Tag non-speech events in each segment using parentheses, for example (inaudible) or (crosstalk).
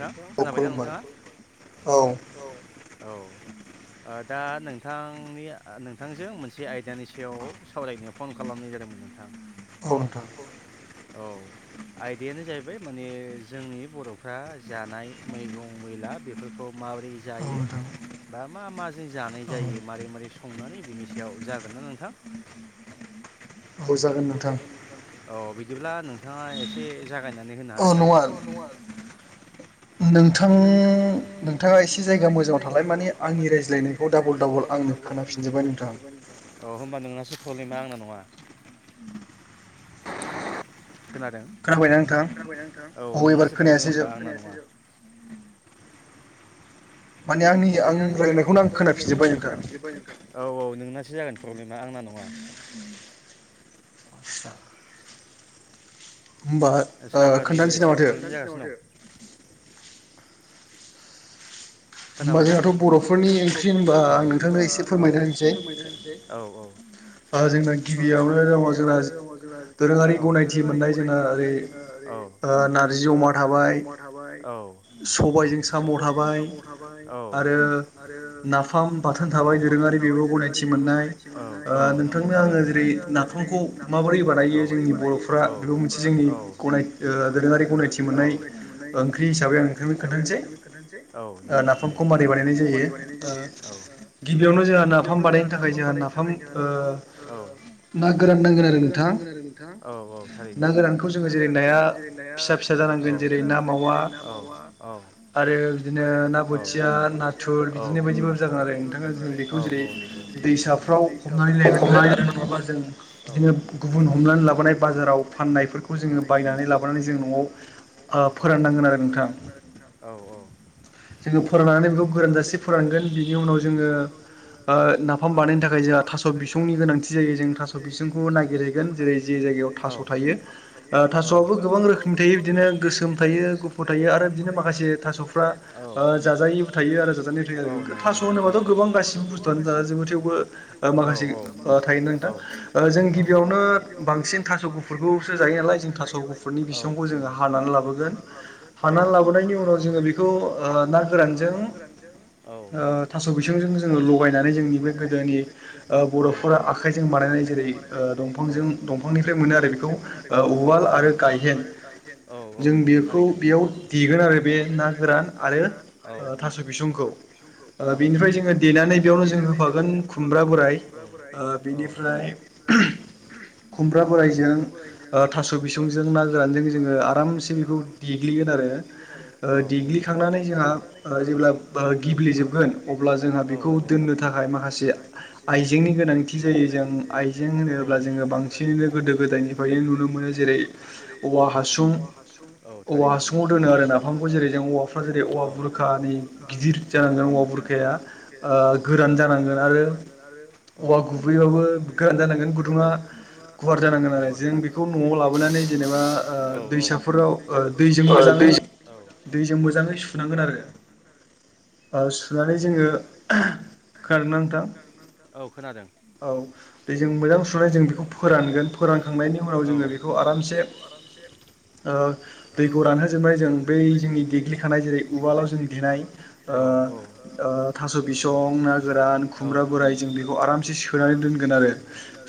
नोंथाङा खोनाबायना नोंथाङा औ औ दा नोंथांनि नोंथांजों मोनसे आयदानि सायाव सावरायनो फन खालामनाय जादोंमोन नोंथां औ नोंथां औ आयदायानो जाहैबाय माने जोंनि बर' जानाय मैगं मैला बेफोरखौ माबोरै जायो बा मा मा जा जानाय जायो मारै मारै संनानै बिनि सायाव जागोन ना नोंथां जागोन नोंथां औ बिदिब्ला नोंथाङा एसे जागायनानै होनो हागोन ना अ नङा नोंथां नोंथाङा एसे जायगा मोजाङाव थालाय माने आंनि रायज्लायनायखौ दाबल दाबल आंनो खोनाफिनजोबबाय नोंथां होबा नोंनासो प्रब्लेमा आंना नङा खोनादों खोनाबाथना‌ नोंथां औ नोंनासो प्रब्लेमबा आंना नंङा माने आंनि आं रायज्लायनायखौनो आं खोनाफिनजोब्बाय नोंथां औ औ नोंनासो जागोन प्रब्लेमा आंना नङा सारभारनिबो एसे प्रब्लेम जागासिनो दं होमबा जोंहाथ' बर'फोरनि ओंख्रि होनबा आं नोंथांनो एसे फोरमायना होनोसै जोंना गिबियावनो दङ जोंहा दोरोङारि गनायथि मोननाय जोंना ओरै औ नारजि अमा थाबाय औ सबायजों साम' थाबाय आरो नाफाम बाथोन थाबाय दोरोङारि बेबोबो गनायथि मोननाय नोंथांनो आङो जेरै नाफामखौ माबोरै बानायो जोंनि बर'फ्रा बेखौ मोनसे जोंनि दोरोङारि गनायथि मोननाय ओंख्रि हिसाबै आं नोंथांनो खोन्थानोसै नाफामखौ मारै बानायनाय जायो ओ गिबियावनो जों नाफाम बानायनो थाखाय जों नाफाम ओ हम ओ ना गोरान नांगोन आरो नोंथां औ औ थारैनो ना गोरानखौ जोङो जेरै नाया फिसा फिसा जानांगोन जेरै ना मावा आरो बिदिनो ना बोथिया नाथुर बिदिनो बायदिबाबो जागोन आरो नोंथाङा जों बेखौ जेरै दैसाफ्राव हमनानै लायनांगोन आरो नङाबा जों बिदिनो गुबुन हमनानै लाबोनाय बाजाराव फाननायफोरखौ जोङो बायनानै लाबोनानै जों न'आव ओ फोराननांगोन आरो नोंथाङा औ जोंङो फोराननानै बेखौ गोरानजासे फोरानगोन बिनि उनाव जोङो नाफाम बानायनो थाखाय जोंङा थास' बिसंनि गोनांथि जायो जों थास' बिसंखौ नागिरहैगोन जेरै जे जायगायाव थास' थायो थास'आबो गोबां रोखोमनि थायो बिदिनो गोसोम थायो गुफुर थायो आरो बिदिनो माखासे थास'फ्रा जाजायोबो थायो आरो जाजानाय थायो आरो थास' होनोबाथ' गोबां गासिबो बुस्थुआनो जाज जोंबो थेवबो, माखासे थायोना नोंथां जों गिबियावनो बांसिन थास' गुफुरफोरखौसो जायो नालाय जों थास'गुफुरनि बिसंखौ जोङो हानानै लाबोगोन हानानै‌लाबोनायनि उनाव जोङो बिखौ ना ओ गोरान ना गोरानजों औ थास' बिसंजों जोङो लगायनानै जोंनि बे गोदोनि औ बर'फोरा आखाइजों बानायनाय जेरै औ दंफांजों दंफांनिफ्राय मोनो आरो बेखौ औ औ उवाल आरो गायजेन औ औ नंगौ थारैनो जों बेखौ बेयाव देगोन आरो बे ना गोरान, थास' बिसुंखौ बेनिफ्राय जोङो देनानै बेयावनो जों होफागोन, फागोन खुमब्रा बोराइ बिनिफ्राय, खुमब्रा बोराइजों ओ थास' बिसंजों ना गोरानजों जोङो आरामसे बेखौ देग्लिगोन आरो ओ दिग्लि खांनानै जों खांनानै जोंहा ओ जेब्ला ओ गिब्लेजोबगो। औ औ अब्ला जोंहा बेखौ दोननो थाखाय माखासे आइजेंनि गोनांथि जायो जों आइजें होनोब्ला जोङो बांसिनैनो गोदो गोदायनिफ्रायनो नुनो मोनो। जेरै औवा हासुं औवा हासुुङाव दोनो आरो नाफामखौ जेरै जों औवाफ्रा जेरै औ औवा बुरखानि जानांगोन औवा बुरखाया ओ गोरान जानां आरो औ औवा गुबैयावबो औ गुदुङा गुवार आरो लाबोनानै जेनेबा ओ दैसाफोराव ओ दैजों मोजाङै दैैजों मोजाङै सुनांगोन आरो। ओ सुनानै जोङो खोनादोंना नोंथां? औ खोनादों। औ बिजोंबो मोजां सुनानै जों बेखौ फोरानगोन फोरानखांनायनि उनाव जोङो बेखौ आरामसे से ओ दैखौ रानो होनोबबाय जों बै जों देग्लिखानाय जेरै उवालाव जों दे औ औ ओ थास' बिसं, ना गोरान, खुमब्रा बोराइ जों बेखौ आरामसे सोनानै दोनगोन आरो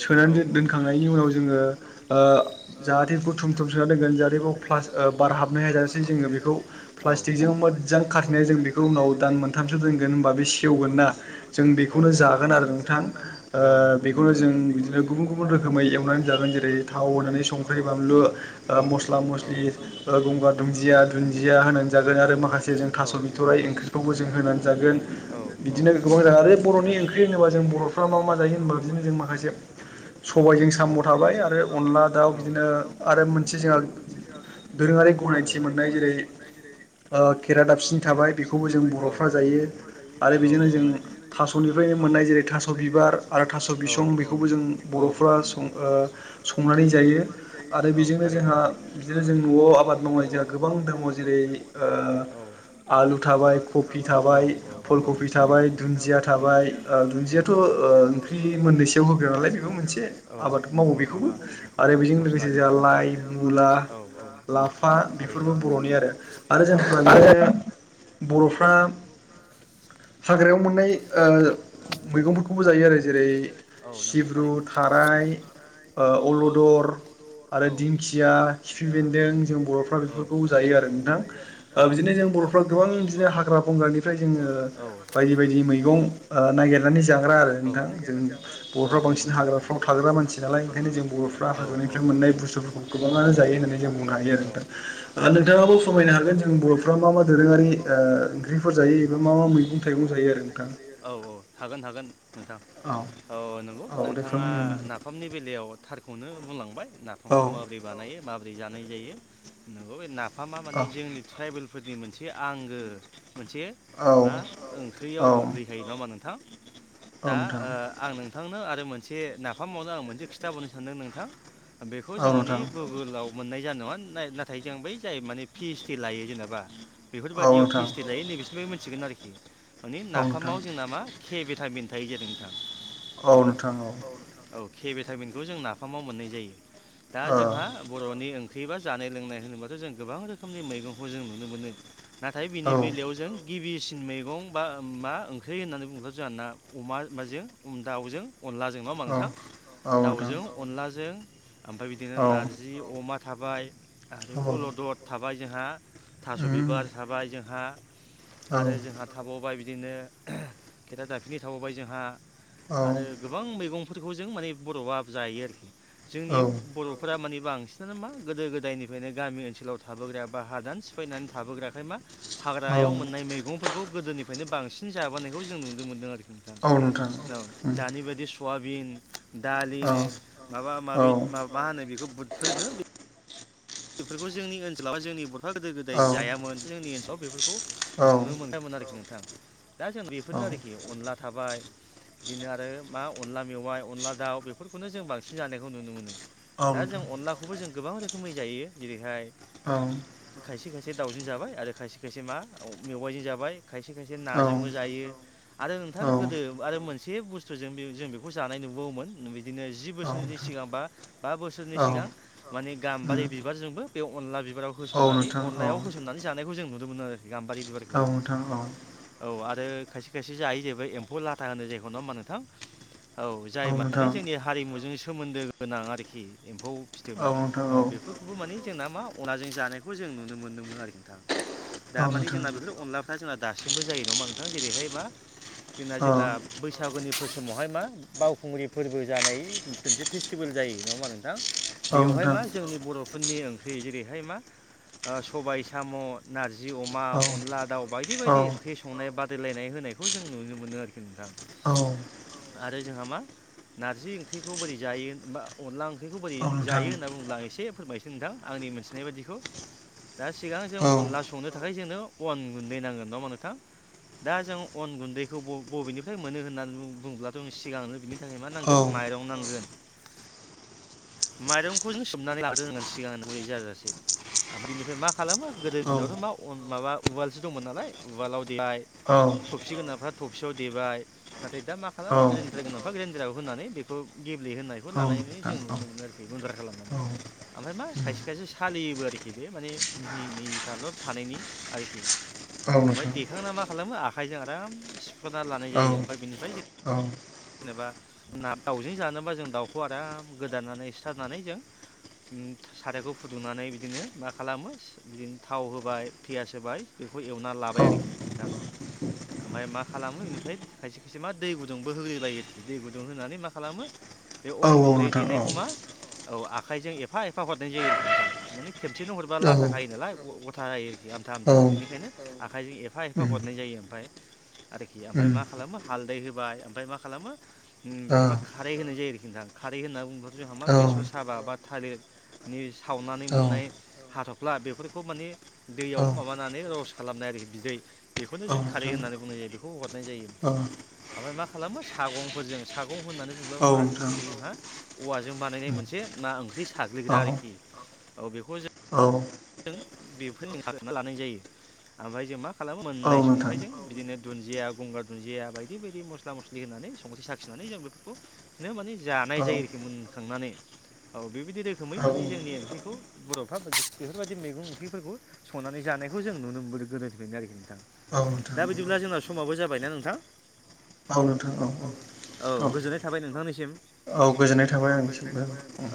सोनानै दोनखांनायनि उनाव जोङो ओ जाहाथे बुथुम थुम सोना दोनगोन जाहाथे बे बार हाबनाय हाय जानोसै जोङो बेखौ प्लास्टिकजों मोजां खाथिनाय जों बेखौ उनाव दान मोनथामसो दान मोनथामसो दोनगोन होमबा बे सेवगोनना औ औ जों बे खौनो जागोन आरो नोंथाङा ओ बेखौनो जों बि गुबुन गुबुन रोखोमै एवनानै जागोन जेरै जेरै बानु ओ मस्ला मस्लि गंगार दुनदिया दुनदिया होनानै जागोन आरो माखा माखासे जों थास' बिथ'राइ ओंख्रिखौबो जों होनानै जागोन बिदिनो गोबां आरो बर'नि ओं बर'नि ओंख्रि होनोबा जों बर'फ्रा मा मा जायो होनबा बिनो जों माखासे सबायजों साम' थाबाय आरो औ अनला दाउ बिदिनो आरो मोनसे जोंहा दोरोङारि गनायथि मोननाय जेरै ओ केरादाबसिनि थाबाय बेखौबो जों बर'फ्रा जायो। बरफ्रा जायो ओ ओ आरो बिदिनो जों मोननाय जेरै थास' बिबार आरो थ' बिसं बेखौबो जों बर'फोरा सं ओ संनानै जायो आरो बेजोंनो जोंहा बिदिनो जों न'आव आबाद मावनाय जोंहा गोबां दामाव जेरै ओ आलु थाबाय कबि थाब फुल कफि थाबाय दुन्दिया थाबाय ओ दुन्दियाथ' ओ ओंख्रि मोननैसोआव होग्रा नालाय बेबो मोनसे आबाद मावो बेखौबो आ औ मस्ला जायो औ औ औ औ थारैनो औ बिफोरबो बर'नि आरो (unintelligible) बिदिनो बर'फ्रा, हाग्रायाव मोननाय ओ मैगंफोरखौबो जायो आरो जेरै औ नंगौ थारैनो, खिफि बेन्दों जों बर'फ्रा बे जायो आरो नोंथां ओ बिदिनो जों बर'फ्रा गोबां बिदिनो हाग्रा बं ओमफ्राय जोङो बायदि बायदि मैगं ओ नागिरनानै जाग्रा आरो नोंथां जों बर'फ्रा बांसिन हाग्राफ्राव थाग्रा मानसि नालाय ओंखायनो जों बर' ब्रा हाग्रानिफ्राय मोननाय बुस्थुफोरखौ गोबाङानो जायो। होननानै जों बुंनो हायो आरो नोंथां नोंथाङाबो फोरमायनो हागोन जों बर'फ्रा मा मा दोरोङारि ओ ओंख्रिफोर जायो एबा मा मा मैगं थाइगं जायो आरो नोंथां। औ औ हागोन हागोन। नोंथां औ नंगौ नोंथाङा नाफामनि बेलायाव थारखौनो बुंलांबाय। नाफामखौ माबोरै बानायो माबोरै जानाय जायो नंगौ बे नाफामा माने जोंनि ट्राइबेल, फोरनि मोनसे आंगो मोनसे मा ओंख्रियाव गोग्लैहायो नङा होमा नोंथां दा ओ आं नों थांनो आरो मोनसे नाफामावनो आं मोनसे खिथााबावनो सानदों नोंथां बेखौ जों मानि गुगोलाव मोननाय जानाय नङा नाथाय जों बै जाय माने फि ओयस दि लायो जेनेबा बेफोरबायदियाव फिस दायो नैबेसिमबो मिथिगोन आरोखि माने नाफामाव जोंना मा के भिटामिन थायो जादों नोंथां औ नोंथां औ के भिटामिनखौ जों नाफामाव मोननाय जायो दा जोंहा बर'नि ओं ख्रि बा जानाय लोंनाय होनोबाथ' जों गोबां रोखोमनि मैगंखौ जों नुनो मोनो नाथाय बिनि बेलायाव जों गिबि इसिन मैगं बा मा ओंख्रि होननानै बुंथाब ज आरोना अमा माजों दाउजों अनलाजों नङा होमबा नोंथां दाउजों अनलाजों ओमफ्राय बिदिनो नार्जि अमा थाबाय आरो अलदद थाबाय जोंहा थास' बिबार साबाय जोंहा आरो जोंहा थाबावबाय बिदिनो खेथा दाफिै थाबोबाय जोंहा आरो गोबां मैगंं बेफोरखौ जों माने बर'आ जायो आरोखि जोंनि बर'फोरा माने बांसिनानो मा गोदो गोदायनिफ्रायनो गामि ओनसोलाव थाबोग्रा बा हादान सिफायनानै थाबोग्राखाय मा हाग्रायाव मोननाय मैगंफोरखौ गोदोनिफ्रायनो बांसिन जाबोनायखौ जों नुनो मोनदों आरोखि नोंथां औ दानि बायदि सवाबिन दालिनो माबा माबि मा होनो बेखौ बुदफो बेफोरखौ जोंनि ओनसोलावा जोंनि बर' बिफा गोदो गोदाय जायामोन जोंनि ओनसोलाव बेफोरखौ नुनो मोनदोंमोन आरोखि नोंथां दा जों बेफोरनो आरोखि अनला थाबाय बिदिनो आरो मा अनला मेवाइ अनला दाउ बेफोरखौनो जों बांसिन जानायखौ नुनो मोनो दा जों अनलाखौबो जों गोबां रोखोमै जायो जेरैहाय खायसे खायसे दाउजों जाबाय आरो खायसे खायसे मा मेवाइजों जाबाय खायसे खायसे नाजोंबो जायो आरो नोंथां गोदो आरो मोन से बुस्थुजों बे जों बेखौ जानाय नुबोावोमोन नु बिदिनो जि बोसोरनि सिगां बा बा बोसोरनि सिगां माने गाम्बारि बे अनला बिबाराव होसननानै अनलायाव होसननानै जानायखौ जों नुनो मोनो आरोखि गाम्बारि बिबारखौबो औ आरो खायसे खायसे जायो जेबो एम्फौ लाथा होनो जायखौ नङा होमा नोंथां औ जाय मानि जोंनि हारिमुजों सोमोन्दो गोनां आरोखि एम्फौ फिथोबा औ बे बो मानानि जोंना मा अनाजों जानायखौ जों नुनो मोन्दोंमोन आरो नोंथां दा मानि जोंना बेफोर अनलाफ्रा जोंना दासिमबो जायो नङामा नोंथां जेरैहाय मा जोंना जेब्ला बैसागोनि फो समावहाय मा बावखुंग्रि फोरबो जानाय मोनसे फेस्टिभेल जायो नङा मा नोंथां बेवहाय मा जोंनि बर'फोरनि ओंख्रि जेरै हाया मा सबाय साम' नारजि जि अमा अनला दाउ बायदि बायदि ओंख्रि संनाय बादायलायनाय होनायखौ जों नुनो मोनो आरोखि नोंथां आरो जोंहा मा नारजि ओंख्रिखौ बोरै जायो बा अनला ओंख्रिखौ बोरै जायो होनना बुङोब्ला आं एसे फोरमायसै नोंथां आंनि मोनथिनाय बाददिखौ दा सिगां जों अनला संनो थाखाय जोंनो अन गुन्दै नांगोन नङा होमबा नोंथां दा जों अन गुन्दैखौ बबेनिफ्राय मोनो होननानै बुलाथ' सिगांआवनो बिनि थाखाय मा नांगोन माइरं नांगोन माइरंखौ जों सोमनानै ला सिगां गलै जाजासे ओम बिनिफ्राय मा खालामो गोदो दिनावथ' मा माबा उवालसो दंमोन नालाय उवालाव देबाय थफसि गोनाफ्रा थफसियाव देबाय नाथाय दा मा खालामो ग्रेन्दद्रा गनानावफा गदेन्दिरायाव होनानै बेखौ गेब्लेहनायखौ लानाय जों नुनो मोनो आरोखि गुद्रा खालामनानै ओमफ्राय मा खायसे खायसे सालियोबो आरोखि बे माने मिहि मिहिफ्रा लब थानायनि आरोखि ओमफ्राय देखांना मा खालामो आखाइजों आराम सिफ्रुना लानाय जायो ओमफ्राय बेनिफ्राय जों जेनबा ना दाउजों जानोबा जों दाउखौ आराम गोदाननानै सिथारनानै जों ओम सारायखौ फुदुंनानै बिदिनो मा खालामो बिदिनो थाव होबाय पियास होबाय बेखौ खौ एवना लाबाय आरोखि नोंथां। ओमफाय मा खालामो बेनिफ्राय खायसे खायसे मा दै गुदुंबो होहो जायो आरोखि दै गुदुं होनानै मा खालामो बे अन गुन्दै देनायखौ मा औ आ खाइजों एफा एफा हरनाय जायो आरोखि नोंथां। माने खेबसेनो हरबा लाथा खायो नालाय गथा जायो आरोखि। आमथा आमथा बेनिखायनो आखाइजों एफा एफा हरनाय जायो। ओमफाय आरोखि ओमफाय मा खालामो हालदै होबाय ओमफाय मा खालामो उम बा खारै होनाय जायो आरोखि नोंथां। खारै होननोब्लाथ' जोंहा मा बेसर साबा बा थालिरनि सावनानै मोननाय हाथ'फ्ला बेफोरखौ माने दैयाव माबानानै रस खालामनाय आरो बिदै बेखौनो जों खारै होननानै बुंनाय जायो बेखौ होबाथाय जायो बिथां। ओमफाय मा खालामो सागंफोरजों सागं होननानै बुंब्ला मा बुजियो जोंहा औवाजों बानायनाय मोनसे ना ओंख्रि साग ग्लिग्रा आरोखि। औ बेखौ जों जों (unintelligible) लानाय जायो। ओमफाय जों मा खालामो मोननाय समावहाय जों बिदिनो दुन्दिया गंग्रा दुन्दिया बायदि बायदि मस्ला मस्लि होना नानै संख्रि साखिनानै जों बेफोरखौनो माने जानाय जायो आरोखि मोनखांनानै। औ बेबायदि रोखोमै माने जोंनि ओंख्रिखौ बर'फ्रा (unintelligible) बेफोरबायदि मैगं ओंख्रिफोरखौ संनानै जानायखौ जों नुनो मोनबोदों गोदोनिफ्रायनो आरोखि नोंथां। दा बिदिब्ला जोंना समाबो जाबायना नोंथां? (unintelligible) औ गोजोननाय थाबाय नोंथांनिसिम। औ गोजोननाय थाबाय आंनिसिमबो उम।